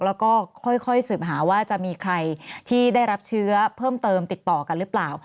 แล้วก็ค่อยสืบหาว่าจะมีใครที่ได้รับเชื้อเพิ่มเติมติดต่อกันหรือเปล่า